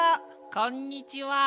こんにちは。